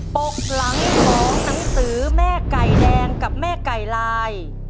ปกหลังของหนังสือแม่ไก่แดงกับแม่ไก่ลาย